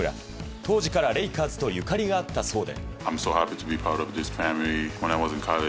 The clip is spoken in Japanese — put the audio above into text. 当時からレイカーズとゆかりがあったそうで。